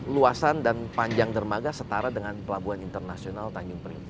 luasan dan panjang dermaga setara dengan pelabuhan internasional tanjung priuk